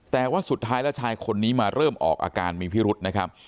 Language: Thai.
แต่ว่าสุดท้ายแล้วชายคนนี้มาเริ่มออกอาการมีพิรุษนะครับ